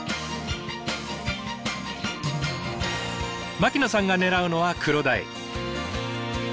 槙野さんが狙うのはクロダイ。